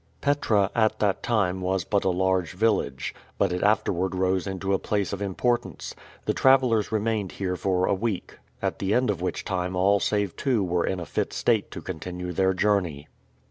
Petra at that time was but a large village, but it after ward rose into a place of importance. The travelers remained here for a week, at the end of which time all save two were in a fit state to continue their journey.